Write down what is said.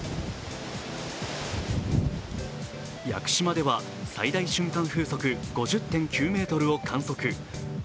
屋久島では最大瞬間風速５０．９メートルを観測。